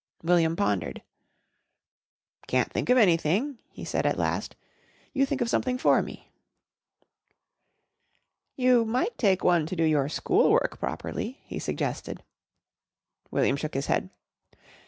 William pondered. "Can't think of anything," he said at last. "You think of something for me." "You might take one to do your school work properly," he suggested. William shook his head.